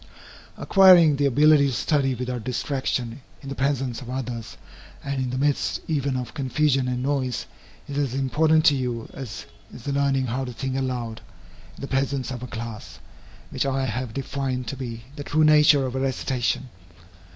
Acquiring the ability to study without distraction in the presence of others and in the midst even of confusion and noise, is as important to you as is the learning how to think aloud, in the presence of a class, which I have defined to be the true nature of a recitation.